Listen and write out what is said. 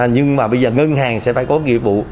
nhưng mà bây giờ ngân hàng sẽ phải có nghĩa vụ